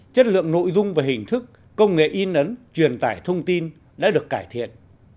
chất lượng nội dung và hình thức công nghệ in ấn truyền tải thông tin đã được cải thiện